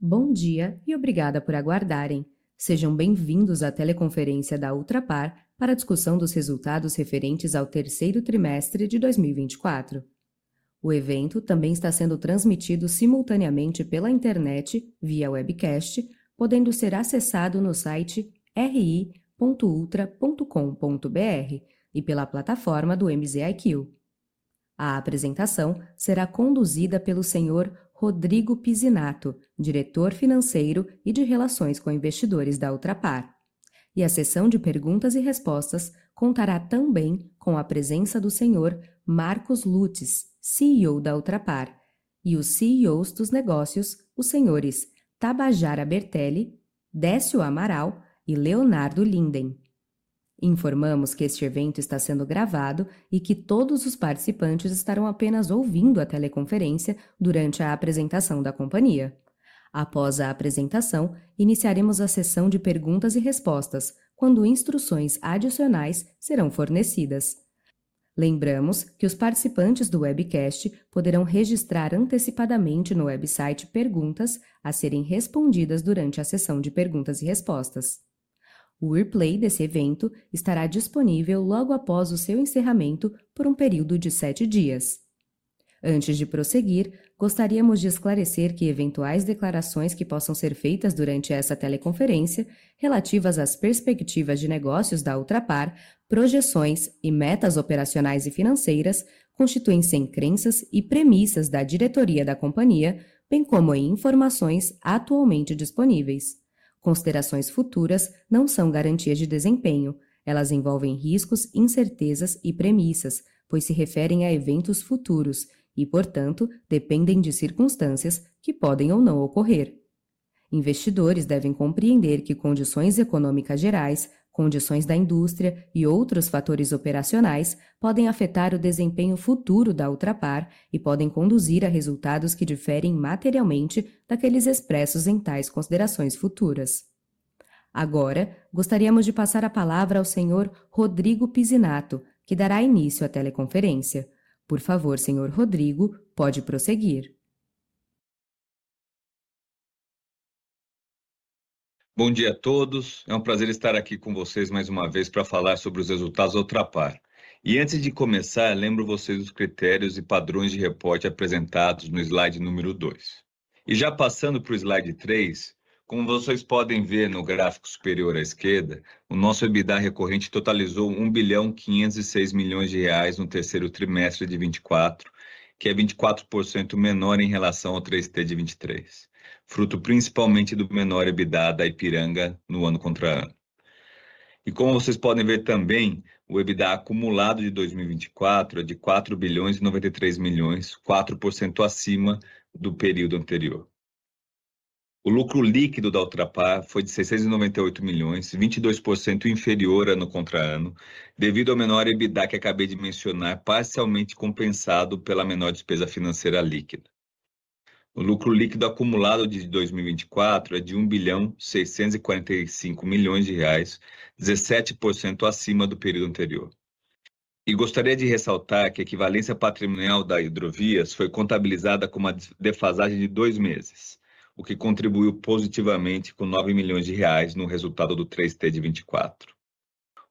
Bom dia e obrigada por aguardarem. Sejam bem-vindos à teleconferência da Ultrapar para a discussão dos resultados referentes ao terceiro trimestre de 2024. O evento também está sendo transmitido simultaneamente pela internet, via webcast, podendo ser acessado no site ri.ultra.com.br e pela plataforma do MZIQ. A apresentação será conduzida pelo Senhor Rodrigo Pizzinatto, Diretor Financeiro e de Relações com Investidores da Ultrapar, e a sessão de perguntas e respostas contará também com a presença do Senhor Marcos Lutz, CEO da Ultrapar, e os CEOs dos negócios, os Senhores Tabajara Bertelli, Décio Amaral e Leonardo Linden. Informamos que este evento está sendo gravado e que todos os participantes estarão apenas ouvindo a teleconferência durante a apresentação da companhia. Após a apresentação, iniciaremos a sessão de perguntas e respostas, quando instruções adicionais serão fornecidas. Lembramos que os participantes do webcast poderão registrar antecipadamente no website perguntas a serem respondidas durante a sessão de perguntas e respostas. O replay desse evento estará disponível logo após o seu encerramento por período de 7 dias. Antes de prosseguir, gostaríamos de esclarecer que eventuais declarações que possam ser feitas durante essa teleconferência, relativas às perspectivas de negócios da Ultrapar, projeções e metas operacionais e financeiras, constituem-se em crenças e premissas da diretoria da companhia, bem como em informações atualmente disponíveis. Considerações futuras não são garantias de desempenho; elas envolvem riscos, incertezas e premissas, pois se referem a eventos futuros e, portanto, dependem de circunstâncias que podem ou não ocorrer. Investidores devem compreender que condições econômicas gerais, condições da indústria e outros fatores operacionais podem afetar o desempenho futuro da Ultrapar e podem conduzir a resultados que diferem materialmente daqueles expressos em tais considerações futuras. Agora, gostaríamos de passar a palavra ao senhor Rodrigo Pizzinatto, que dará início à teleconferência. Por favor, senhor Rodrigo, pode prosseguir. Bom dia a todos. É prazer estar aqui com vocês mais uma vez para falar sobre os resultados da Ultrapar. Antes de começar, lembro a vocês dos critérios e padrões de report apresentados no slide número 2. Já passando para o slide 3, como vocês podem ver no gráfico superior à esquerda, o nosso EBITDA recorrente totalizou R$ 1.506.000.000 no terceiro trimestre de 24, que é 24% menor em relação ao 3T de 23, fruto principalmente do menor EBITDA da Ipiranga no ano contra ano. Como vocês podem ver também, o EBITDA acumulado de 2024 é de R$ 4.093.000.000, 4% acima do período anterior. O lucro líquido da Ultrapar foi de R$ 698.000.000, 22% inferior ano contra ano, devido ao menor EBITDA que acabei de mencionar, parcialmente compensado pela menor despesa financeira líquida. O lucro líquido acumulado de 2024 é de R$ 1,645 bilhões, 17% acima do período anterior. Gostaria de ressaltar que a equivalência patrimonial da Hidrovias foi contabilizada com uma defasagem de dois meses, o que contribuiu positivamente com R$ 9 milhões no resultado do 3T de 24.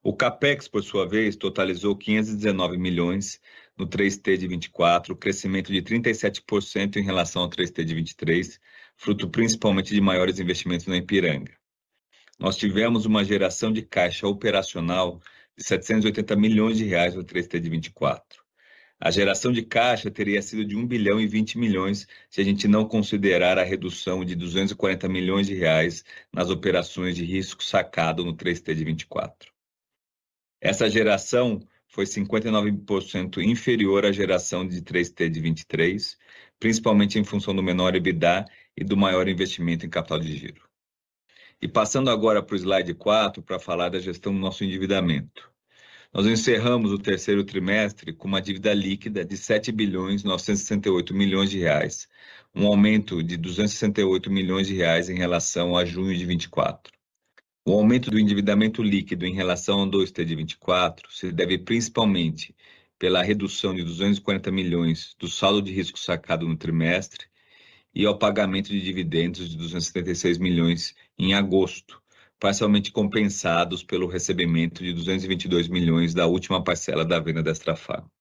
O CAPEX, por sua vez, totalizou R$ 519 milhões no 3T de 24, crescimento de 37% em relação ao 3T de 23, fruto principalmente de maiores investimentos na Ipiranga. Tivemos uma geração de caixa operacional de R$ 780 milhões no 3T de 24. A geração de caixa teria sido de R$ 1,02 bilhão se não considerássemos a redução de R$ 240 milhões nas operações de risco sacado no 3T de 24. Essa geração foi 59% inferior à geração de 3T de 23, principalmente em função do menor EBITDA e do maior investimento em capital de giro. E passando agora para o slide 4, para falar da gestão do nosso endividamento. Nós encerramos o terceiro trimestre com uma dívida líquida de R$ 7.968 milhões, aumento de R$ 268 milhões em relação a junho de 2024. O aumento do endividamento líquido em relação ao segundo trimestre de 2024 se deve principalmente pela redução de R$ 240 milhões do saldo de risco sacado no trimestre e ao pagamento de dividendos de R$ 276 milhões em agosto, parcialmente compensados pelo recebimento de R$ 222 milhões da última parcela da venda da Extrafarma.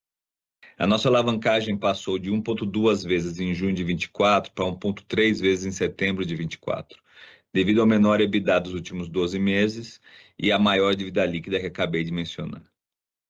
A nossa alavancagem passou de 1,2 vezes em junho de 2024 para 1,3 vezes em setembro de 2024, devido ao menor EBITDA dos últimos 12 meses e à maior dívida líquida que acabei de mencionar.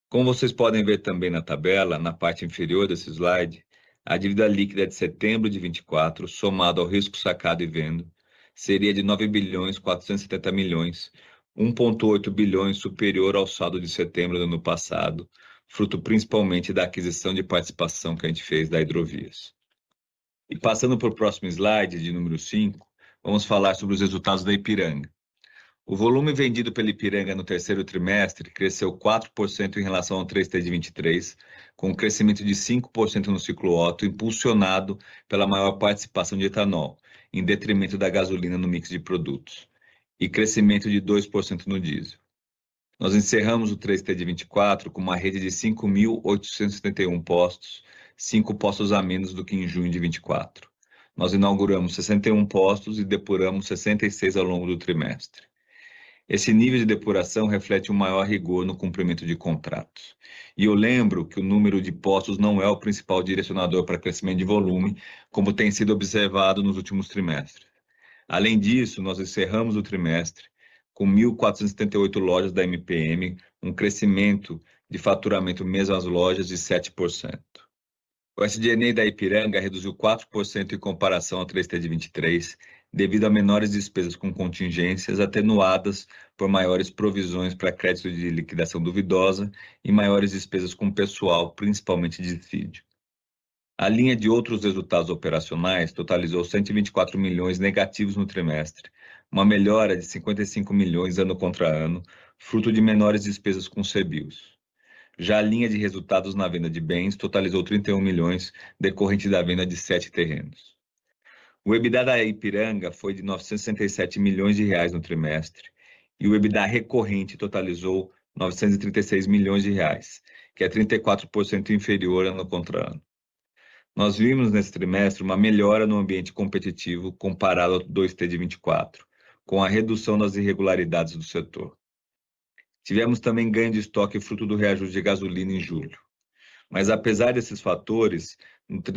Como vocês podem ver também na tabela, na parte inferior desse slide, a dívida líquida de setembro de 2024, somada ao risco sacado e venda, seria de R$ 9.470.000.000, R$ 1,8 bilhões superior ao saldo de setembro do ano passado, fruto principalmente da aquisição de participação que fizemos da Hidrovias. Passando para o próximo slide, de número 5, vamos falar sobre os resultados da Ipiranga. O volume vendido pela Ipiranga no terceiro trimestre cresceu 4% em relação ao 3T de 2023, com crescimento de 5% no ciclo OTA, impulsionado pela maior participação de etanol, em detrimento da gasolina no mix de produtos, e crescimento de 2% no diesel. Encerramos o 3T de 2024 com uma rede de 5.871 postos, 5 postos a menos do que em junho de 2024. Inauguramos 61 postos e depuramos 66 ao longo do trimestre. Esse nível de depuração reflete maior rigor no cumprimento de contratos. Eu lembro que o número de postos não é o principal direcionador para crescimento de volume, como tem sido observado nos últimos trimestres. Além disso, nós encerramos o trimestre com 1.478 lojas da MPM, crescimento de faturamento mesmas lojas de 7%. O SDNA da Ipiranga reduziu 4% em comparação ao 3T de 23, devido a menores despesas com contingências, atenuadas por maiores provisões para crédito de liquidação duvidosa e maiores despesas com pessoal, principalmente de CID. A linha de outros resultados operacionais totalizou R$ 124.000.000 negativos no trimestre, uma melhora de R$ 55.000.000 ano contra ano, fruto de menores despesas com CEBIOS. Já a linha de resultados na venda de bens totalizou R$ 31.000.000, decorrente da venda de 7 terrenos. O EBITDA da Ipiranga foi de R$ 967 milhões no trimestre e o EBITDA recorrente totalizou R$ 936 milhões, que é 34% inferior ano contra ano. Nós vimos nesse trimestre uma melhora no ambiente competitivo comparado ao 2T de 24, com a redução das irregularidades do setor. Tivemos também ganho de estoque, fruto do reajuste de gasolina em julho. Mas, apesar desses fatores,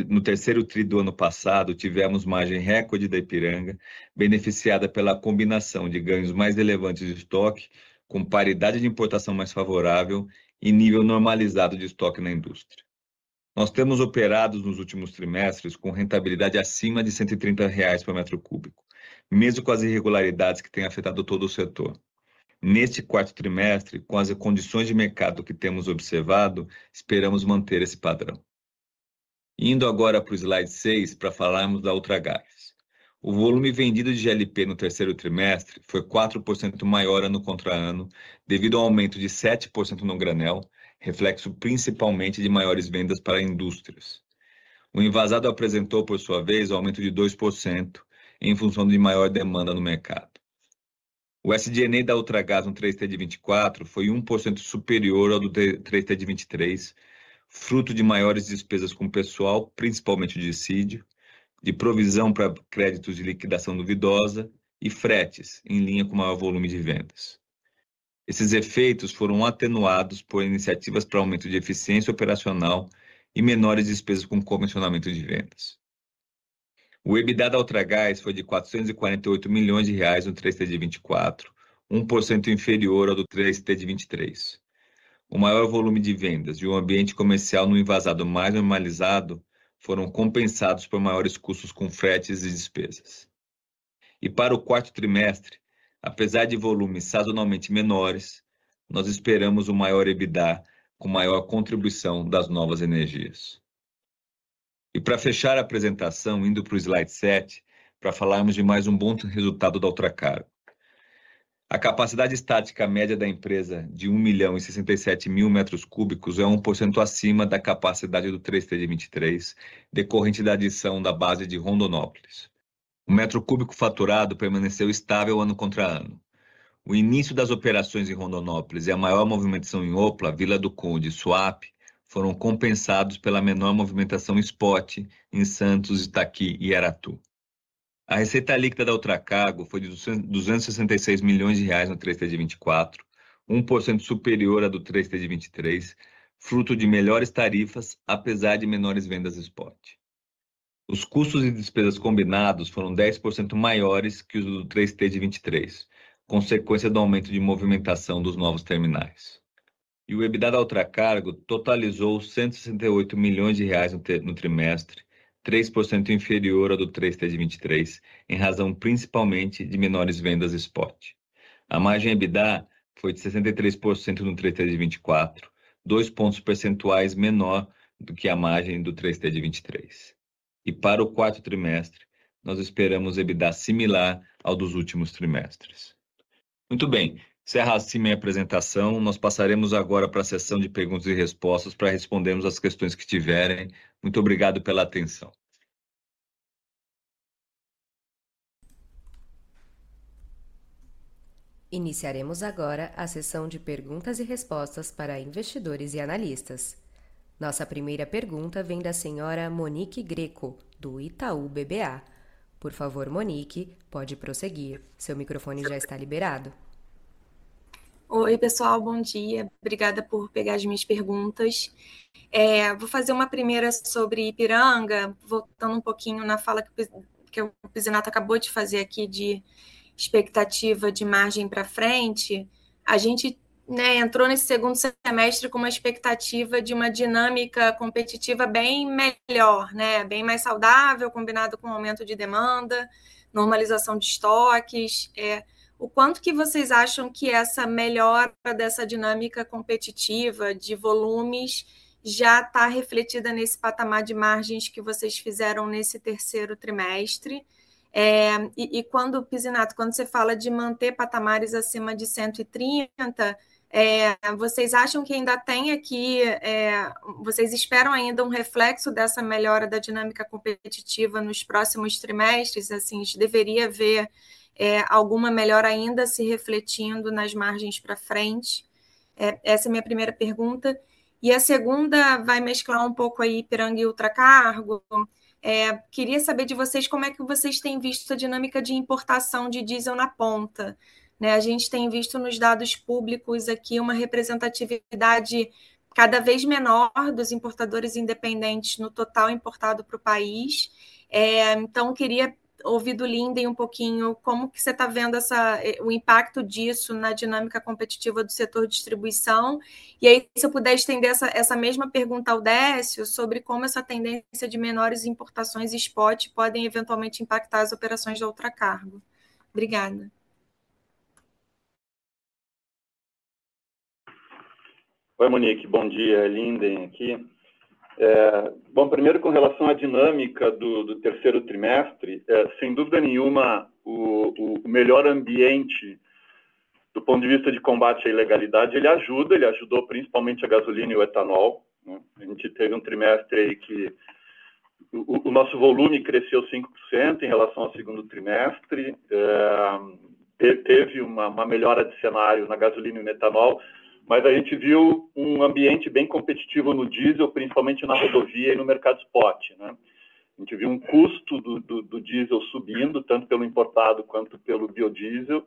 no terceiro tri do ano passado, tivemos margem recorde da Ipiranga, beneficiada pela combinação de ganhos mais relevantes de estoque, com paridade de importação mais favorável e nível normalizado de estoque na indústria. Nós temos operado nos últimos trimestres com rentabilidade acima de R$ 130 por metro cúbico, mesmo com as irregularidades que têm afetado todo o setor. Neste quarto trimestre, com as condições de mercado que temos observado, esperamos manter esse padrão. Indo agora para o slide 6, para falarmos da Ultragars. O volume vendido de GLP no terceiro trimestre foi 4% maior ano contra ano, devido ao aumento de 7% no granel, reflexo principalmente de maiores vendas para indústrias. O envasado apresentou, por sua vez, aumento de 2% em função de maior demanda no mercado. O SG&A da Ultragar no 3T de 2024 foi 1% superior ao do 3T de 2023, fruto de maiores despesas com pessoal, principalmente de PLR, de provisão para créditos de liquidação duvidosa e fretes, em linha com o maior volume de vendas. Esses efeitos foram atenuados por iniciativas para aumento de eficiência operacional e menores despesas com comissionamento de vendas. O EBITDA da Ultragar foi de R$ 448 milhões no 3T de 2024, 1% inferior ao do 3T de 2023. O maior volume de vendas e o ambiente comercial no envasado mais normalizado foram compensados por maiores custos com fretes e despesas. E para o quarto trimestre, apesar de volumes sazonalmente menores, nós esperamos maior EBITDA com maior contribuição das novas energias. E para fechar a apresentação, indo para o slide 7, para falarmos de mais bom resultado da Ultracargo. A capacidade estática média da empresa de 1.067.000 metros cúbicos é 1% acima da capacidade do 3T de 23, decorrente da adição da base de Rondonópolis. O metro cúbico faturado permaneceu estável ano contra ano. O início das operações em Rondonópolis e a maior movimentação em Opla, Vila do Conde e Suape foram compensados pela menor movimentação spot em Santos, Itaqui e Aratu. A receita líquida da Ultracargo foi de R$ 266.000.000 no 3T de 24, 1% superior à do 3T de 23, fruto de melhores tarifas, apesar de menores vendas spot. Os custos e despesas combinados foram 10% maiores que os do 3T de 2023, consequência do aumento de movimentação dos novos terminais. O EBITDA da Ultracargo totalizou R$ 168 milhões no trimestre, 3% inferior ao do 3T de 2023, em razão principalmente de menores vendas spot. A margem EBITDA foi de 63% no 3T de 2024, 2 pontos percentuais menor do que a margem do 3T de 2023. Para o quarto trimestre, nós esperamos EBITDA similar ao dos últimos trimestres. Encerrando assim minha apresentação, nós passaremos agora para a sessão de perguntas e respostas para respondermos as questões que tiverem. Muito obrigado pela atenção. Iniciaremos agora a sessão de perguntas e respostas para investidores e analistas. Nossa primeira pergunta vem da Senhora Monique Greco, do Itaú BBA. Por favor, Monique, pode prosseguir. Seu microfone já está liberado. Oi, pessoal, bom dia. Obrigada por pegar as minhas perguntas. Vou fazer uma primeira sobre Ipiranga, voltando pouquinho na fala que o Pizzinatto acabou de fazer aqui de expectativa de margem para frente. A gente entrou nesse segundo semestre com uma expectativa de uma dinâmica competitiva bem melhor, né? Bem mais saudável, combinado com o aumento de demanda, normalização de estoques. O quanto que vocês acham que essa melhora dessa dinâmica competitiva de volumes já está refletida nesse patamar de margens que vocês fizeram nesse terceiro trimestre? E quando o Pizzinatto, quando você fala de manter patamares acima de 130, vocês acham que ainda tem aqui, vocês esperam ainda reflexo dessa melhora da dinâmica competitiva nos próximos trimestres? Assim, deveria ver alguma melhora ainda se refletindo nas margens para frente? Essa é minha primeira pergunta. E a segunda vai mesclar pouco aí Ipiranga e Ultracargo. É, queria saber de vocês como é que vocês têm visto a dinâmica de importação de diesel na ponta, né? A gente tem visto nos dados públicos aqui uma representatividade cada vez menor dos importadores independentes no total importado para o país. É, então queria ouvir do Linden pouquinho como que você está vendo essa, o impacto disso na dinâmica competitiva do setor de distribuição. E aí, se eu puder estender essa mesma pergunta ao Décio sobre como essa tendência de menores importações spot podem eventualmente impactar as operações da Ultracargo. Obrigada. Oi, Monique, bom dia. É Linden aqui. Bom, primeiro com relação à dinâmica do terceiro trimestre, sem dúvida nenhuma, o melhor ambiente do ponto de vista de combate à ilegalidade ele ajuda, ele ajudou principalmente a gasolina e o etanol, né? A gente teve trimestre aí que o nosso volume cresceu 5% em relação ao segundo trimestre. Teve uma melhora de cenário na gasolina e no etanol, mas a gente viu ambiente bem competitivo no diesel, principalmente na rodovia e no mercado spot, né? A gente viu custo do diesel subindo, tanto pelo importado quanto pelo biodiesel,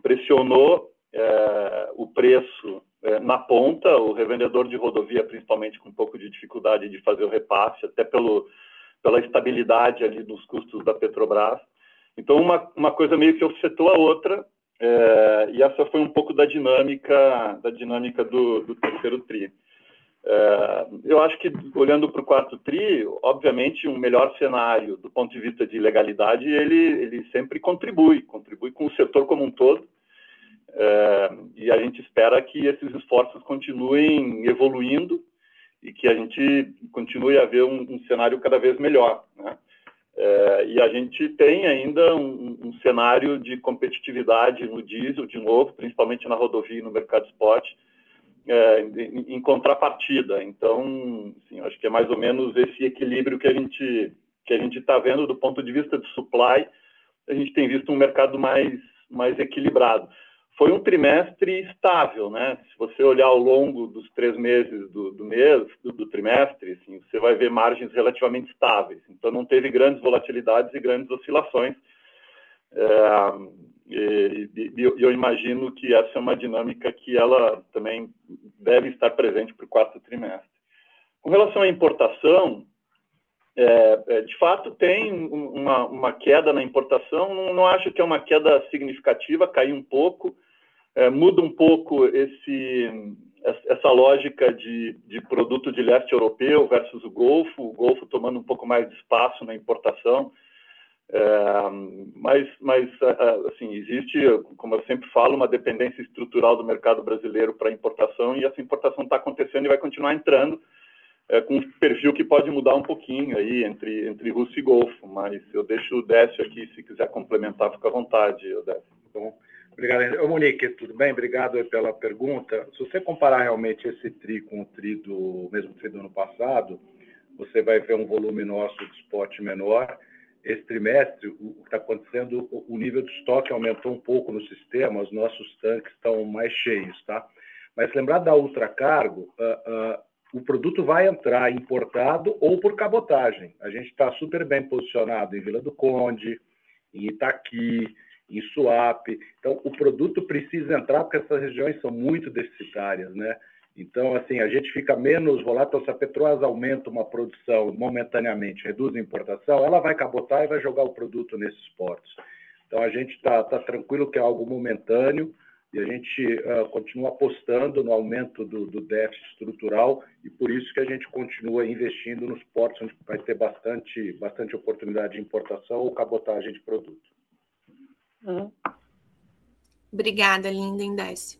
pressionou o preço na ponta, o revendedor de rodovia, principalmente, com pouco de dificuldade de fazer o repasse, até pela estabilidade ali dos custos da Petrobras. Então, uma coisa meio que ofertou a outra, e essa foi pouco da dinâmica do terceiro trimestre. Eu acho que, olhando para o quarto trimestre, obviamente, melhor cenário do ponto de vista de legalidade, ele sempre contribui, contribui com o setor como todo. E a gente espera que esses esforços continuem evoluindo e que a gente continue a ver cenário cada vez melhor, né? E a gente tem ainda cenário de competitividade no diesel de novo, principalmente na rodovia e no mercado spot, em contrapartida. Então, assim, eu acho que é mais ou menos esse equilíbrio que a gente está vendo do ponto de vista de supply, a gente tem visto mercado mais equilibrado. Foi trimestre estável, né? Se você olhar ao longo dos três meses do trimestre, você vai ver margens relativamente estáveis. Então, não teve grandes volatilidades e grandes oscilações. E eu imagino que essa é uma dinâmica que ela também deve estar presente para o quarto trimestre. Com relação à importação, de fato, tem uma queda na importação, não acho que é uma queda significativa, caiu pouco, muda pouco essa lógica de produto de leste europeu versus o Golfo, o Golfo tomando pouco mais de espaço na importação. Mas assim, existe, como eu sempre falo, uma dependência estrutural do mercado brasileiro para a importação e essa importação está acontecendo e vai continuar entrando, com perfil que pode mudar pouquinho aí entre Russo e Golfo, mas eu deixo o Décio aqui, se quiser complementar, fica à vontade, Décio. Obrigado, Monique, tudo bem? Obrigado pela pergunta. Se você comparar realmente esse trimestre com o trimestre do mesmo trimestre do ano passado, você vai ver volume nosso de spot menor. Esse trimestre, o que está acontecendo, o nível de estoque aumentou pouco no sistema, os nossos tanques estão mais cheios, tá? Mas lembrar da Ultracargo, o produto vai entrar importado ou por cabotagem. A gente está super bem posicionado em Vila do Conde, em Itaqui, em Suape, então o produto precisa entrar porque essas regiões são muito deficitárias, né? Então, assim, a gente fica menos volátil, se a Petrobras aumenta uma produção momentaneamente, reduz a importação, ela vai cabotar e vai jogar o produto nesses portos. Então, a gente está tranquilo que é algo momentâneo e a gente continua apostando no aumento do déficit estrutural e por isso que a gente continua investindo nos portos onde vai ter bastante oportunidade de importação ou cabotagem de produto. Obrigada, Linden e Décio.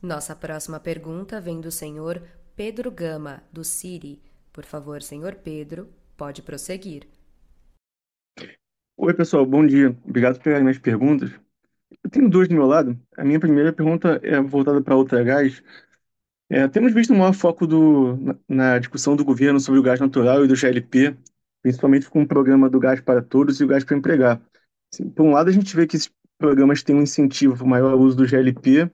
Nossa próxima pergunta vem do senhor Pedro Gama, do Siri. Por favor, senhor Pedro, pode prosseguir. Oi, pessoal, bom dia. Obrigado pelas minhas perguntas. Eu tenho duas do meu lado. A minha primeira pergunta é voltada para a Ultragaz. Temos visto maior foco na discussão do governo sobre o gás natural e do GLP, principalmente com o programa do Gás para Todos e o Gás para Empregar. Por um lado, a gente vê que esses programas têm incentivo para o maior uso do GLP,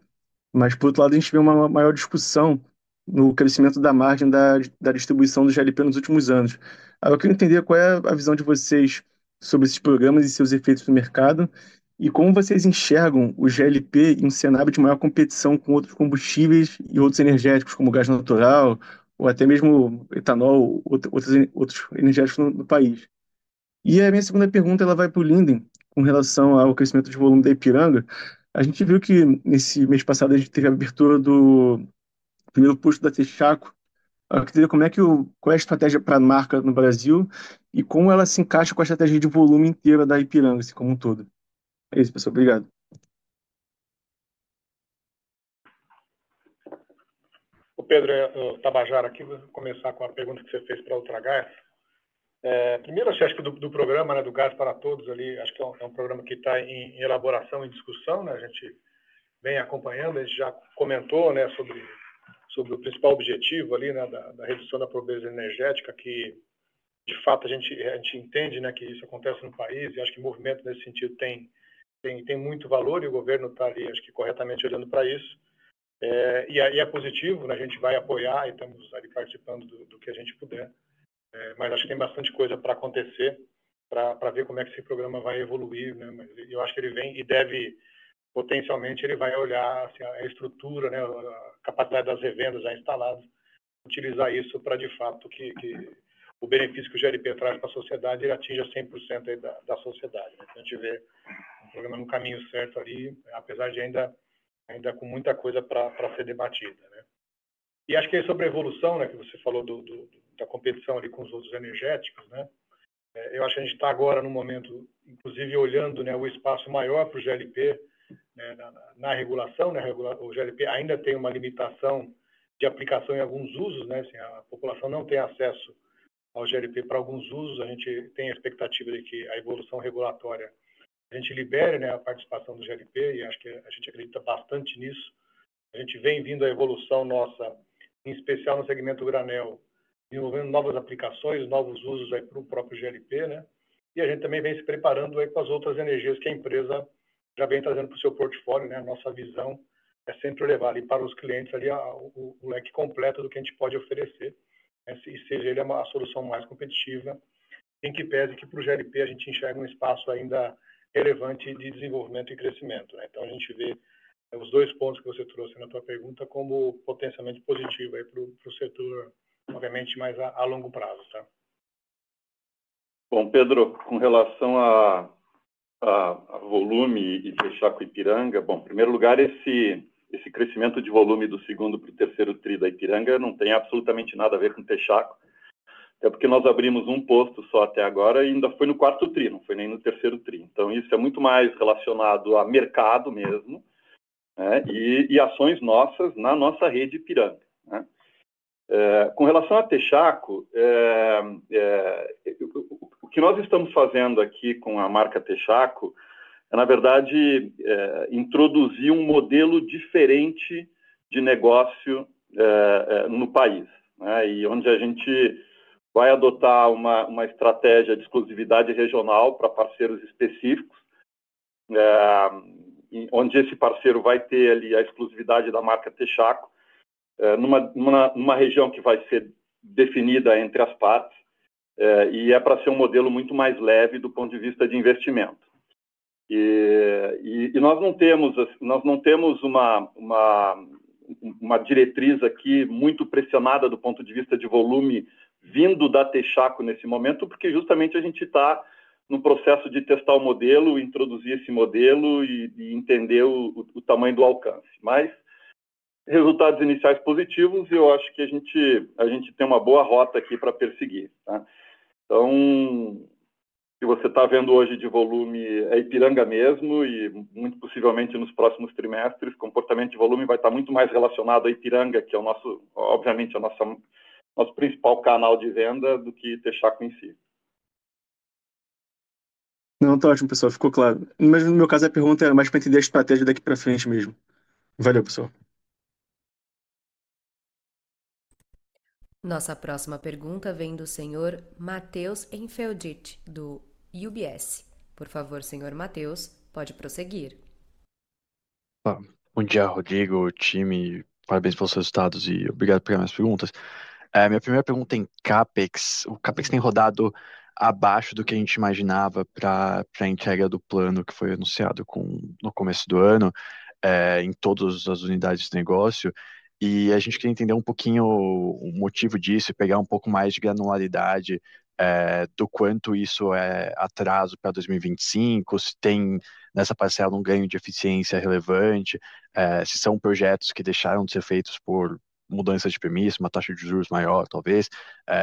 mas por outro lado, a gente vê uma maior discussão no crescimento da margem da distribuição do GLP nos últimos anos. Aí eu quero entender qual é a visão de vocês sobre esses programas e seus efeitos no mercado e como vocês enxergam o GLP em cenário de maior competição com outros combustíveis e outros energéticos, como o gás natural ou até mesmo o etanol, outros energéticos no país. E a minha segunda pergunta, ela vai para o Linden com relação ao crescimento de volume da Ipiranga. A gente viu que nesse mês passado a gente teve a abertura do primeiro posto da Texaco. Eu queria entender qual é a estratégia para a marca no Brasil e como ela se encaixa com a estratégia de volume inteira da Ipiranga como um todo. É isso, pessoal, obrigado. O Pedro, é o Tabajar aqui. Vou começar com a pergunta que você fez para a Ultragaz. Primeiro, acho que do programa do Gás para Todos ali, acho que é programa que está em elaboração, em discussão. A gente vem acompanhando, a gente já comentou sobre o principal objetivo ali da redução da pobreza energética, que de fato a gente entende que isso acontece no país e acho que movimento nesse sentido tem muito valor e o governo está ali, acho que corretamente olhando para isso. É positivo, a gente vai apoiar e estamos ali participando do que a gente puder, mas acho que tem bastante coisa para acontecer, para ver como é que esse programa vai evoluir. Mas eu acho que ele vem e deve, potencialmente, ele vai olhar a estrutura, né, a capacidade das revendas já instaladas, utilizar isso para de fato que o benefício que o GLP traz para a sociedade, ele atinja 100% da sociedade, né? Então a gente vê o programa no caminho certo, apesar de ainda com muita coisa para ser debatida, né? E acho que é sobre a evolução, né, que você falou da competição com os outros energéticos, né? Eu acho que a gente está agora no momento, inclusive olhando o espaço maior para o GLP na regulação, né, o GLP ainda tem uma limitação de aplicação em alguns usos, né? Assim, a população não tem acesso ao GLP para alguns usos. A gente tem a expectativa de que a evolução regulatória a gente libere a participação do GLP e acho que a gente acredita bastante nisso. A gente vem vindo à evolução nossa, em especial no segmento granel, desenvolvendo novas aplicações, novos usos aí para o próprio GLP. E a gente também vem se preparando aí com as outras energias que a empresa já vem trazendo para o seu portfólio. A nossa visão é sempre levar ali para os clientes ali o leque completo do que a gente pode oferecer. E seja ele a solução mais competitiva, sem que pese que para o GLP a gente enxerga espaço ainda relevante de desenvolvimento e crescimento. Então a gente vê os dois pontos que você trouxe na sua pergunta como potencialmente positivo aí para o setor, obviamente, mais a longo prazo, tá? Bom, Pedro, com relação ao volume e Texaco e Ipiranga, bom, em primeiro lugar, esse crescimento de volume do segundo para o terceiro trimestre da Ipiranga não tem absolutamente nada a ver com Texaco, até porque nós abrimos posto só até agora e ainda foi no quarto trimestre, não foi nem no terceiro trimestre. Então isso é muito mais relacionado a mercado mesmo, né? E ações nossas na nossa rede Ipiranga, né? Com relação a Texaco, o que nós estamos fazendo aqui com a marca Texaco é, na verdade, introduzir modelo diferente de negócio no país, né? E onde a gente vai adotar uma estratégia de exclusividade regional para parceiros específicos, é onde esse parceiro vai ter ali a exclusividade da marca Texaco numa região que vai ser definida entre as partes e para ser modelo muito mais leve do ponto de vista de investimento. E nós não temos uma diretriz aqui muito pressionada do ponto de vista de volume vindo da Texaco nesse momento, porque justamente a gente está no processo de testar o modelo, introduzir esse modelo e entender o tamanho do alcance. Mas resultados iniciais positivos e eu acho que a gente tem uma boa rota aqui para perseguir, tá? Então, se você está vendo hoje de volume, é Ipiranga mesmo e muito possivelmente nos próximos trimestres, o comportamento de volume vai estar muito mais relacionado à Ipiranga, que é o nosso, obviamente, o nosso principal canal de venda do que Texaco em si. Não, está ótimo, pessoal, ficou claro. Mas no meu caso a pergunta era mais para entender a estratégia daqui para frente mesmo. Valeu, pessoal. Nossa próxima pergunta vem do senhor Mateus Enfeldite, do UBS. Por favor, senhor Mateus, pode prosseguir. Bom, bom dia, Rodrigo, time, parabéns pelos seus resultados e obrigado pelas minhas perguntas. Minha primeira pergunta é em CAPEX. O CAPEX tem rodado abaixo do que a gente imaginava para a entrega do plano que foi anunciado no começo do ano, em todas as unidades de negócio. A gente queria entender um pouquinho o motivo disso e pegar um pouco mais de granularidade do quanto isso é atraso para 2025, se tem nessa parcela ganho de eficiência relevante, se são projetos que deixaram de ser feitos por mudanças de permissão, uma taxa de juros maior, talvez.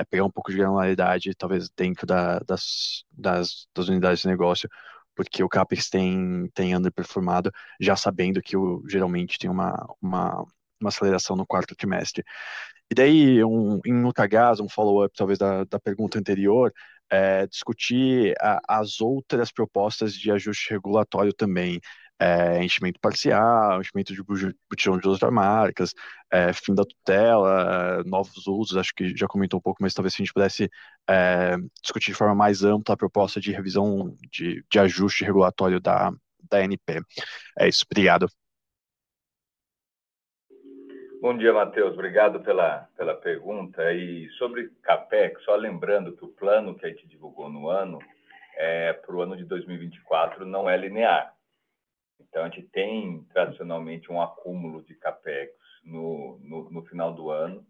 Pegar um pouco de granularidade, talvez dentro das unidades de negócio, porque o CAPEX tem underperformado, já sabendo que geralmente tem uma aceleração no quarto trimestre. E daí, em outra casa, follow-up talvez da pergunta anterior, é discutir as outras propostas de ajuste regulatório também, enchimento parcial, enchimento de botijão de outras marcas, fim da tutela, novos usos, acho que já comentou pouco, mas talvez se a gente pudesse discutir de forma mais ampla a proposta de revisão de ajuste regulatório da ANP. É isso, obrigado. Bom dia, Mateus, obrigado pela pergunta. Sobre CAPEX, só lembrando que o plano que a gente divulgou no ano é para o ano de 2024 não é linear. Então a gente tem tradicionalmente acúmulo de CAPEX no final do ano.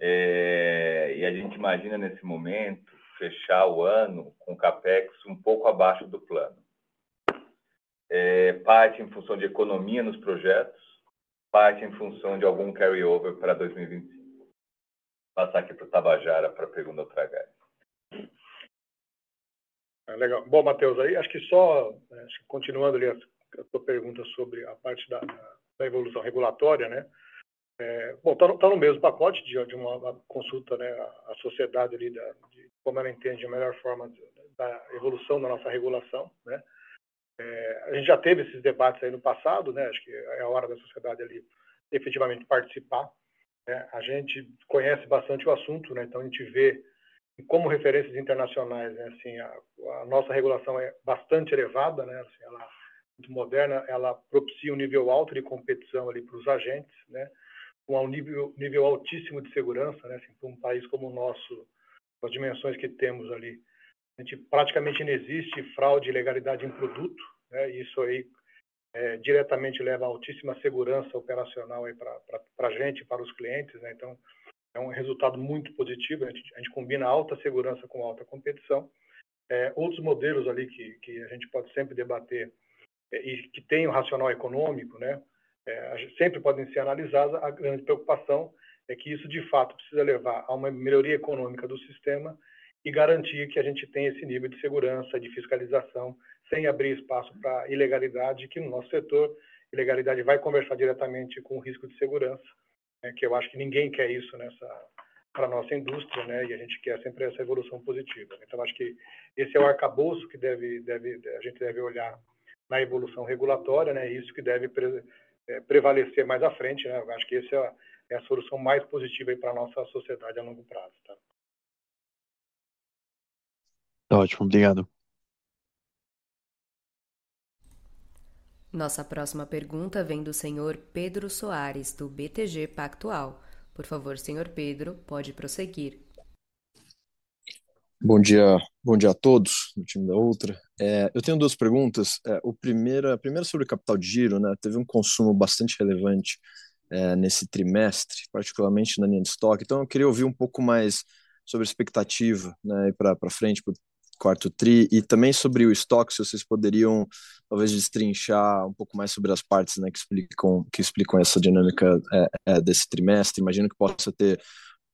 A gente imagina nesse momento fechar o ano com CAPEX pouco abaixo do plano. Parte em função de economia nos projetos, parte em função de algum carryover para 2025. Passo aqui para o Tabajara para a pergunta do Ultragaz. Legal. Bom, Mateus, aí acho que só, acho que continuando ali a sua pergunta sobre a parte da evolução regulatória, né? Bom, está no mesmo pacote de uma consulta, né? A sociedade ali de como ela entende a melhor forma da evolução da nossa regulação, né? A gente já teve esses debates aí no passado, né? Acho que é a hora da sociedade ali efetivamente participar, né? A gente conhece bastante o assunto, né? Então a gente vê que como referências internacionais, né? A nossa regulação é bastante elevada, né? Ela é muito moderna, ela propicia nível alto de competição ali para os agentes, né? Com nível altíssimo de segurança, né? Para país como o nosso, com as dimensões que temos ali, a gente praticamente não tem fraude e ilegalidade em produto, né? Isso aí diretamente leva à altíssima segurança operacional para a gente, para os clientes, né? Então é resultado muito positivo, a gente combina alta segurança com alta competição. Outros modelos ali que a gente pode sempre debater e que têm racional econômico, né, sempre podem ser analisados. A grande preocupação é que isso de fato precisa levar a uma melhoria econômica do sistema e garantir que a gente tenha esse nível de segurança, de fiscalização, sem abrir espaço para a ilegalidade, que no nosso setor a ilegalidade vai conversar diretamente com o risco de segurança, né? Acho que ninguém quer isso para a nossa indústria, né? A gente quer sempre essa evolução positiva. Então acho que esse é o arcabouço que a gente deve olhar na evolução regulatória, né? E isso que deve prevalecer mais à frente, né? Eu acho que essa é a solução mais positiva aí para a nossa sociedade a longo prazo, tá? Está ótimo, obrigado. Nossa próxima pergunta vem do senhor Pedro Soares, do BTG Pactual. Por favor, senhor Pedro, pode prosseguir. Bom dia, bom dia a todos do time da Ultra. Eu tenho duas perguntas. A primeira sobre o capital de giro. Teve consumo bastante relevante nesse trimestre, particularmente na linha de estoque. Então eu queria ouvir um pouco mais sobre a expectativa para frente, para o quarto trimestre, e também sobre o estoque, se vocês poderiam talvez destrinchar um pouco mais sobre as partes que explicam essa dinâmica desse trimestre. Imagino que possa ter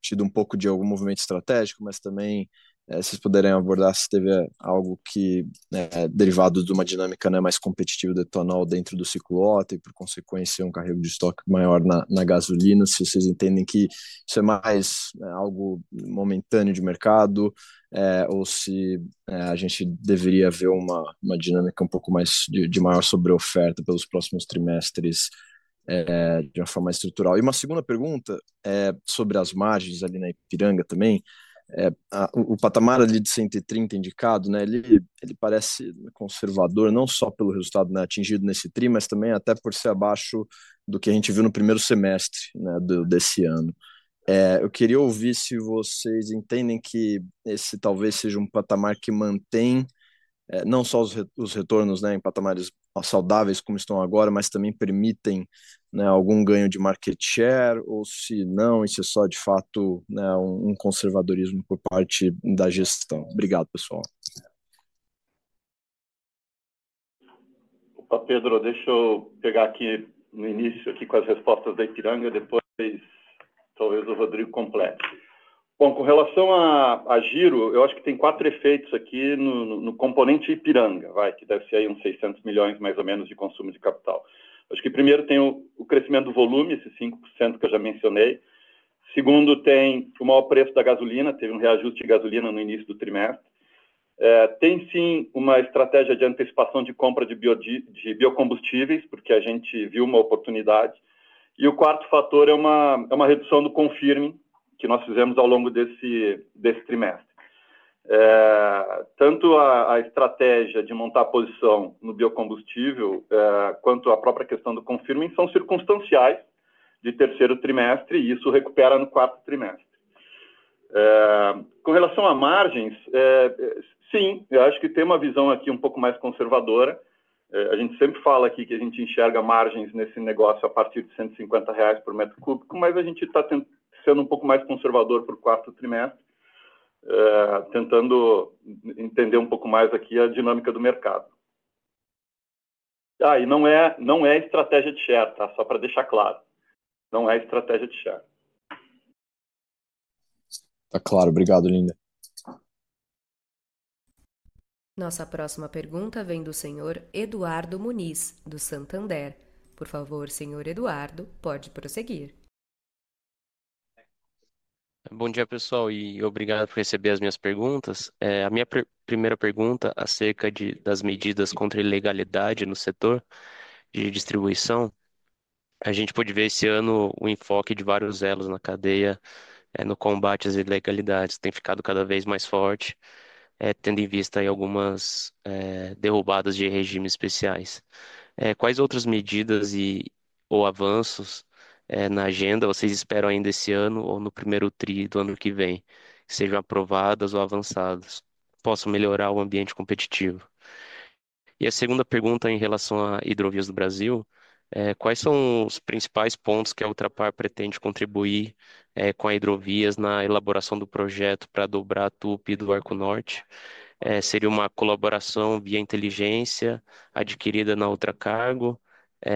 tido pouco de algum movimento estratégico, mas também se vocês puderem abordar se teve algo que é derivado de uma dinâmica mais competitiva do etanol dentro do ciclo OTA e, por consequência, carrego de estoque maior na gasolina. Se vocês entendem que isso é mais algo momentâneo de mercado, ou se a gente deveria ver uma dinâmica um pouco mais de maior sobre a oferta pelos próximos trimestres de uma forma mais estrutural. Uma segunda pergunta é sobre as margens ali na Ipiranga também. O patamar ali de 130 indicado, ele parece conservador, não só pelo resultado atingido nesse trimestre, mas também até por ser abaixo do que a gente viu no primeiro semestre desse ano. Eu queria ouvir se vocês entendem que esse talvez seja patamar que mantém não só os retornos. Em patamares saudáveis como estão agora, mas também permitem, né? Algum ganho de market share ou se não, isso é só de fato, né? Conservadorismo por parte da gestão. Obrigado, pessoal. Opa, Pedro, deixa eu pegar aqui no início aqui com as respostas da Ipiranga, depois talvez o Rodrigo complete. Bom, com relação a giro, eu acho que tem quatro efeitos aqui no componente Ipiranga, vai que deve ser aí uns R$ 600 milhões mais ou menos de consumo de capital. Acho que primeiro tem o crescimento do volume, esse 5% que eu já mencionei. Segundo, tem o maior preço da gasolina, teve reajuste de gasolina no início do trimestre. Tem sim uma estratégia de antecipação de compra de biocombustíveis, porque a gente viu uma oportunidade. E o quarto fator é uma redução do confirming que nós fizemos ao longo desse trimestre. Tanto a estratégia de montar a posição no biocombustível quanto a própria questão do confirming são circunstanciais de terceiro trimestre e isso recupera no quarto trimestre. É com relação a margens, é sim, eu acho que tem uma visão aqui pouco mais conservadora. A gente sempre fala aqui que a gente enxerga margens nesse negócio a partir de R$ 150 por metro cúbico, mas a gente está sendo pouco mais conservador para o quarto trimestre, tentando entender pouco mais aqui a dinâmica do mercado. E não é estratégia de share, tá? Só para deixar claro, não é estratégia de share. Está claro, obrigado, Linda. Nossa próxima pergunta vem do senhor Eduardo Muniz, do Santander. Por favor, senhor Eduardo, pode prosseguir. Bom dia, pessoal, e obrigado por receber as minhas perguntas. A minha primeira pergunta é acerca das medidas contra a ilegalidade no setor de distribuição. A gente pode ver esse ano o enfoque de vários elos na cadeia no combate às ilegalidades tem ficado cada vez mais forte, tendo em vista algumas derrubadas de regimes especiais. Quais outras medidas e ou avanços na agenda vocês esperam ainda esse ano ou no primeiro trimestre do ano que vem que sejam aprovadas ou avançadas que possam melhorar o ambiente competitivo? E a segunda pergunta em relação à Hidrovias do Brasil: quais são os principais pontos que a Ultrapar pretende contribuir com a Hidrovias na elaboração do projeto para dobrar a TUP do Arco Norte? Seria uma colaboração via inteligência adquirida na Ultracargo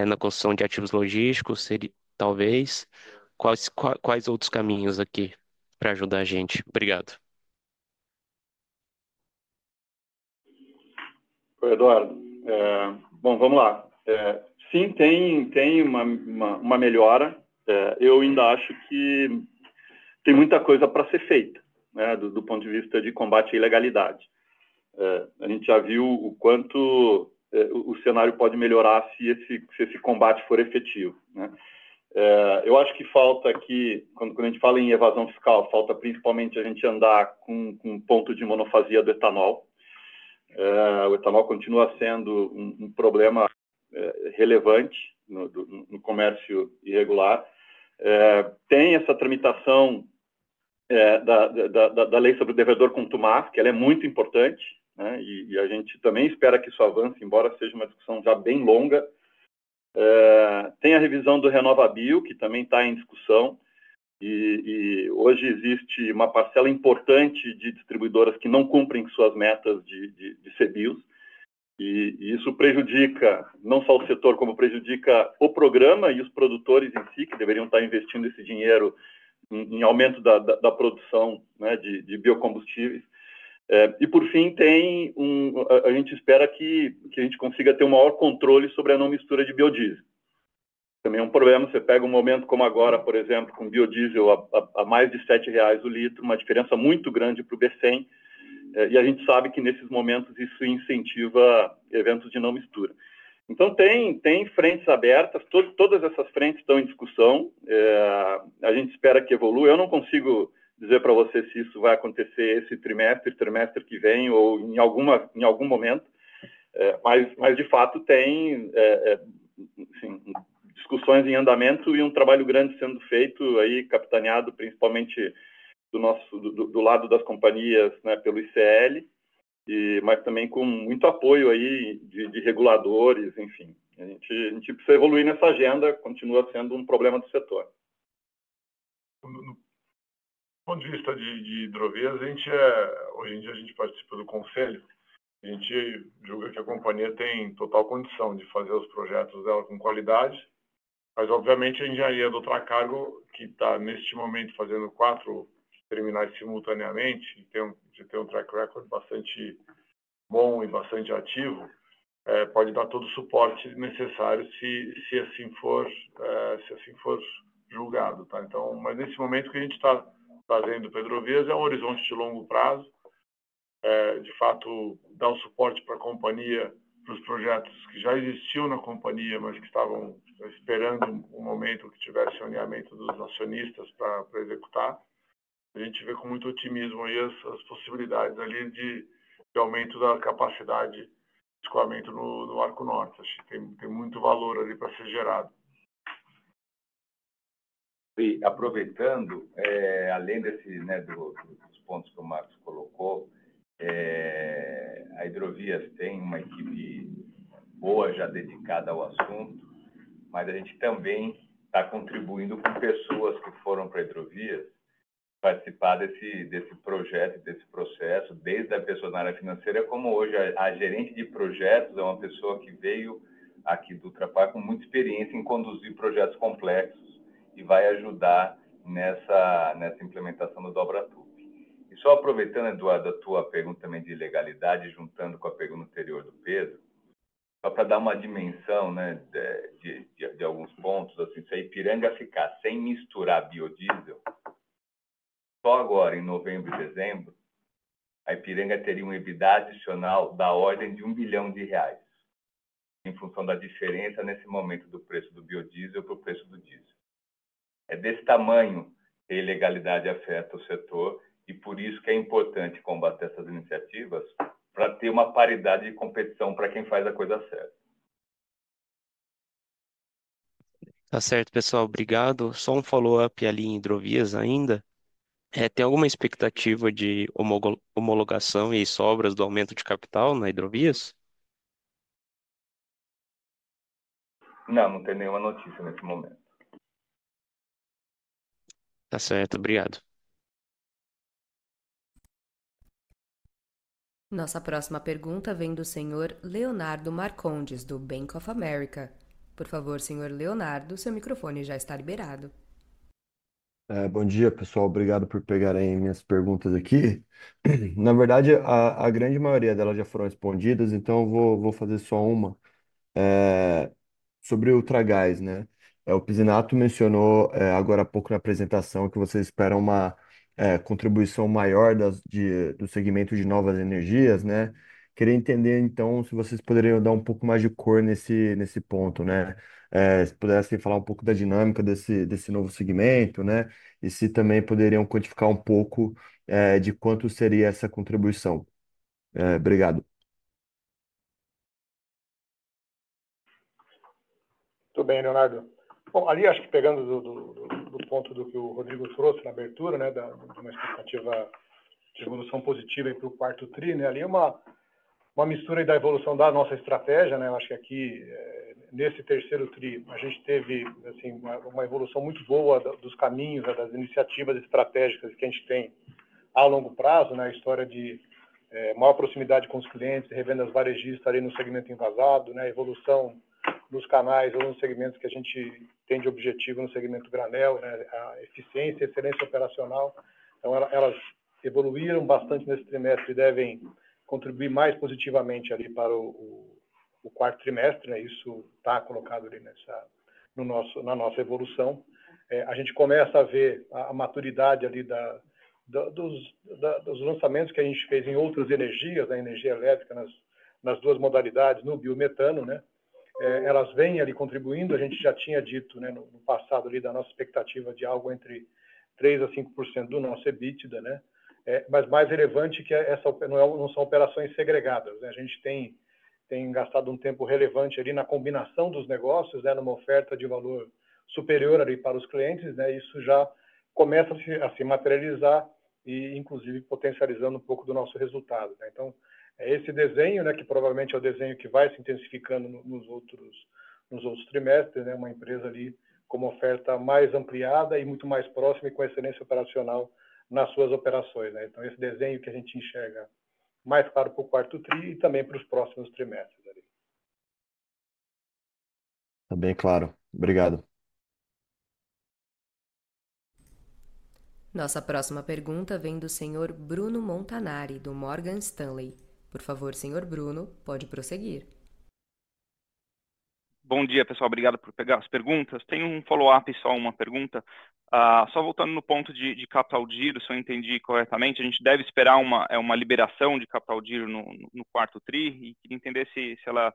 na construção de ativos logísticos, seria talvez? Quais outros caminhos aqui para ajudar a gente? Obrigado. Oi, Eduardo. É bom, vamos lá. Sim, tem uma melhora. Eu ainda acho que tem muita coisa para ser feita, né? Do ponto de vista de combate à ilegalidade. A gente já viu o quanto o cenário pode melhorar se esse combate for efetivo, né? Eu acho que falta aqui, quando a gente fala em evasão fiscal, falta principalmente a gente andar com o ponto de monofasia do etanol. O etanol continua sendo problema relevante no comércio irregular. Tem essa tramitação da lei sobre o devedor com o TUMAF, que ela é muito importante, né? E a gente também espera que isso avance, embora seja uma discussão já bem longa. E tem a revisão do RenovaBio, que também está em discussão, e hoje existe uma parcela importante de distribuidoras que não cumprem suas metas de CBIOs, e isso prejudica não só o setor, como prejudica o programa e os produtores em si, que deveriam estar investindo esse dinheiro em aumento da produção de biocombustíveis. E por fim, a gente espera que consiga ter maior controle sobre a não mistura de biodiesel. Também é problema, você pega momento como agora, por exemplo, com biodiesel a mais de R$ 7,00 o litro, uma diferença muito grande para o B100, e a gente sabe que nesses momentos isso incentiva eventos de não mistura. Então tem frentes abertas, todas essas frentes estão em discussão, a gente espera que evolua. Eu não consigo dizer para você se isso vai acontecer esse trimestre, trimestre que vem ou em algum momento, mas de fato tem discussões em andamento e trabalho grande sendo feito aí, capitaneado principalmente do nosso lado das companhias, né? Pelo ICL, e também com muito apoio aí de reguladores, enfim. A gente precisa evoluir nessa agenda, continua sendo problema do setor. Do ponto de vista de Hidrovias, a gente hoje em dia participa do conselho, a gente julga que a companhia tem total condição de fazer os projetos dela com qualidade, mas obviamente a engenharia do Ultracargo, que está neste momento fazendo quatro terminais simultaneamente e tem track record bastante bom e bastante ativo, pode dar todo o suporte necessário se assim for julgado, tá? Então, mas nesse momento o que a gente está fazendo para Hidrovias é horizonte de longo prazo, é de fato dar suporte para a companhia, para os projetos que já existiam na companhia, mas que estavam esperando momento que tivesse o alinhamento dos acionistas para executar. A gente vê com muito otimismo as possibilidades de aumento da capacidade de escoamento no Arco Norte, acho que tem muito valor para ser gerado. E aproveitando, além desse, né? Dos pontos que o Márcio colocou, a Hidrovias tem uma equipe boa já dedicada ao assunto, mas a gente também está contribuindo com pessoas que foram para a Hidrovias participar desse projeto e desse processo, desde a pessoa na área financeira, como hoje a gerente de projetos é uma pessoa que veio aqui do Ultrapar com muita experiência em conduzir projetos complexos e vai ajudar nessa implementação do DobraTUP. E só aproveitando, Eduardo, a tua pergunta também de ilegalidade, juntando com a pergunta anterior do Pedro, só para dar uma dimensão de alguns pontos, assim, se a Ipiranga ficar sem misturar biodiesel, só agora em novembro e dezembro, a Ipiranga teria EBITDA adicional da ordem de R$ 1 bilhão, em função da diferença nesse momento do preço do biodiesel para o preço do diesel. É desse tamanho que a ilegalidade afeta o setor e por isso que é importante combater essas iniciativas para ter uma paridade de competição para quem faz a coisa certa. Tá certo, pessoal, obrigado. Só follow-up ali em Hidrovias ainda. Tem alguma expectativa de homologação e sobras do aumento de capital na Hidrovias? Não, não tem nenhuma notícia nesse momento. Tá certo, obrigado. Nossa próxima pergunta vem do senhor Leonardo Marcondes, do Bank of America. Por favor, senhor Leonardo, seu microfone já está liberado. Bom dia, pessoal, obrigado por pegarem minhas perguntas aqui. Na verdade, a grande maioria delas já foram respondidas, então vou fazer só uma. Sobre o UltraGAS, né? O Pisenato mencionou agora há pouco na apresentação que vocês esperam uma contribuição maior do segmento de novas energias, né? Queria entender então se vocês poderiam dar um pouco mais de cor nesse ponto, né? Se pudessem falar um pouco da dinâmica desse novo segmento, né? E se também poderiam quantificar um pouco de quanto seria essa contribuição. Obrigado. Muito bem, Leonardo. Bom, ali acho que pegando do ponto do que o Rodrigo trouxe na abertura, né? De uma expectativa de evolução positiva aí para o quarto trimestre, né? Ali é uma mistura aí da evolução da nossa estratégia, né? Eu acho que aqui, nesse terceiro trimestre, a gente teve assim uma evolução muito boa dos caminhos, das iniciativas estratégicas que a gente tem a longo prazo, né? A história de maior proximidade com os clientes, revendas varejistas ali no segmento envasado, né? Evolução nos canais ou nos segmentos que a gente tem de objetivo no segmento granel, né? A eficiência, excelência operacional. Então elas evoluíram bastante nesse trimestre e devem contribuir mais positivamente ali para o quarto trimestre, né? Isso está colocado ali na nossa evolução. A gente começa a ver a maturidade ali dos lançamentos que a gente fez em outras energias, na energia elétrica, nas duas modalidades, no biometano. Elas vêm ali contribuindo, a gente já tinha dito no passado ali da nossa expectativa de algo entre 3% a 5% do nosso EBITDA. Mas mais relevante que essas não são operações segregadas. A gente tem gastado tempo relevante ali na combinação dos negócios numa oferta de valor superior ali para os clientes. Isso já começa a se materializar e inclusive potencializando pouco do nosso resultado. Então é esse desenho que provavelmente é o desenho que vai se intensificando nos outros trimestres. Uma empresa ali com uma oferta mais ampliada e muito mais próxima e com excelência operacional nas suas operações. Então esse desenho que a gente enxerga mais claro para o quarto trimestre e também para os próximos trimestres ali. Também claro, obrigado. Nossa próxima pergunta vem do senhor Bruno Montanari, do Morgan Stanley. Por favor, senhor Bruno, pode prosseguir. Bom dia, pessoal, obrigado por pegar as perguntas. Tenho follow-up e só uma pergunta. Só voltando no ponto de capital de giro, se eu entendi corretamente, a gente deve esperar uma liberação de capital de giro no quarto trimestre e queria entender se ela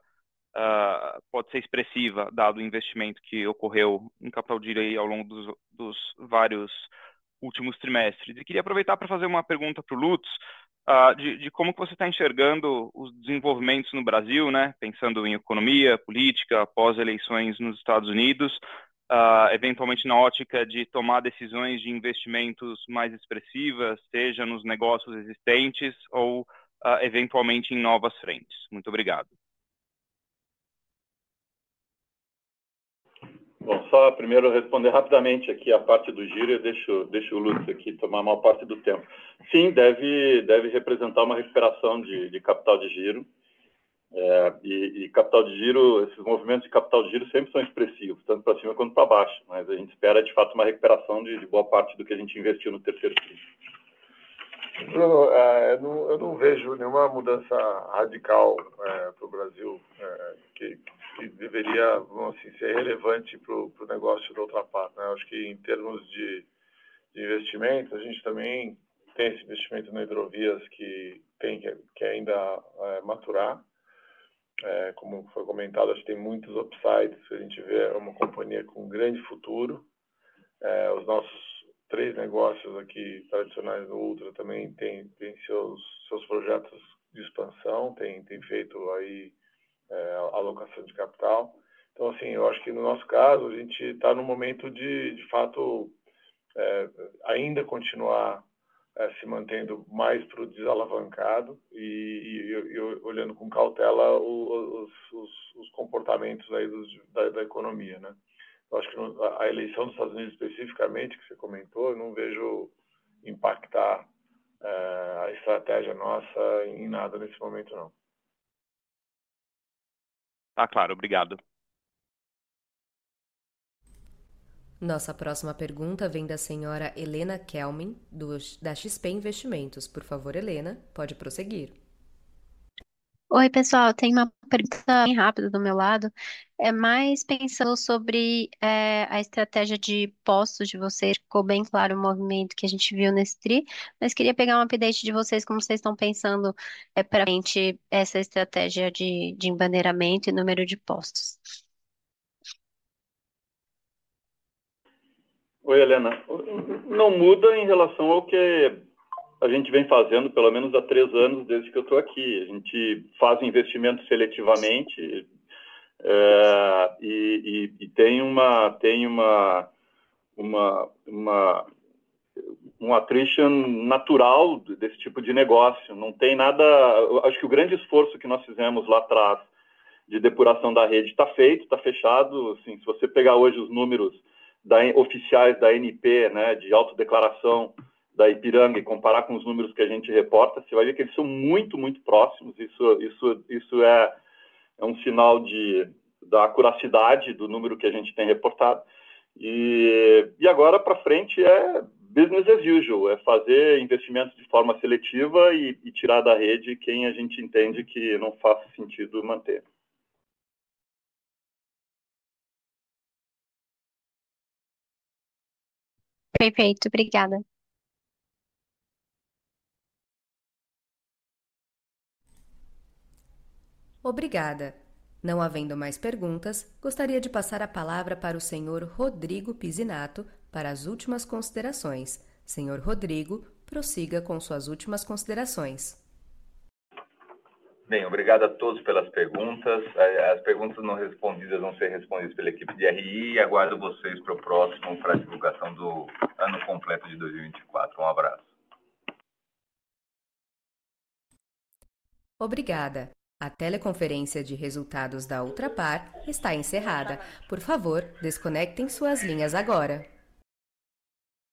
pode ser expressiva, dado o investimento que ocorreu em capital de giro ao longo dos vários últimos trimestres. E queria aproveitar para fazer uma pergunta para o Lutz de como que você está enxergando os desenvolvimentos no Brasil, né? Pensando em economia, política, pós-eleições nos Estados Unidos, eventualmente na ótica de tomar decisões de investimentos mais expressivas, seja nos negócios existentes ou eventualmente em novas frentes. Muito obrigado. Bom, só primeiro eu responder rapidamente aqui a parte do giro e deixo o Lutz aqui tomar a maior parte do tempo. Sim, deve representar uma recuperação de capital de giro. Capital de giro, esses movimentos de capital de giro sempre são expressivos, tanto para cima quanto para baixo, mas a gente espera de fato uma recuperação de boa parte do que a gente investiu no terceiro trimestre. Eu não vejo nenhuma mudança radical para o Brasil que deveria, vamos assim, ser relevante para o negócio do Ultrapar, né? Acho que em termos de investimento, a gente também tem esse investimento na Hidrovias que ainda tem que maturar. Como foi comentado, acho que tem muitos upsides, se a gente vê é uma companhia com grande futuro. Os nossos três negócios aqui tradicionais no Ultra também têm seus projetos de expansão, têm feito alocação de capital. Então assim, eu acho que no nosso caso a gente está no momento de fato ainda continuar se mantendo mais desalavancado e olhando com cautela os comportamentos da economia, né? Eu acho que a eleição dos Estados Unidos especificamente que você comentou, eu não vejo impactar a estratégia nossa em nada nesse momento, não. Está claro, obrigado. Nossa próxima pergunta vem da senhora Helena Kelmin, da XP Investimentos. Por favor, Helena, pode prosseguir. Oi, pessoal, tenho uma pergunta bem rápida do meu lado. É mais pensando sobre a estratégia de postos de vocês, ficou bem claro o movimento que a gente viu nesse trimestre, mas queria pegar update de vocês, como vocês estão pensando para frente essa estratégia de embandeiramento e número de postos. Oi, Helena. Não muda em relação ao que a gente vem fazendo pelo menos há três anos desde que eu estou aqui. A gente faz o investimento seletivamente e tem uma attrition natural desse tipo de negócio. Não tem nada, acho que o grande esforço que nós fizemos lá atrás de depuração da rede está feito, está fechado. Assim, se você pegar hoje os números oficiais da ANP, né? De autodeclaração da Ipiranga e comparar com os números que a gente reporta, você vai ver que eles são muito, muito próximos. Isso é sinal da acuracidade do número que a gente tem reportado. E agora para frente é business as usual, é fazer investimentos de forma seletiva e tirar da rede quem a gente entende que não faça sentido manter. Perfeito, obrigada. Obrigada. Não havendo mais perguntas, gostaria de passar a palavra para o Senhor Rodrigo Pisenato para as últimas considerações. Senhor Rodrigo, prossiga com suas últimas considerações. Bem, obrigado a todos pelas perguntas. As perguntas não respondidas vão ser respondidas pela equipe de RI e aguardo vocês para o próximo para a divulgação do ano completo de 2024. Abraço. Obrigada. A teleconferência de resultados da Ultrapar está encerrada. Por favor, desconectem suas linhas agora.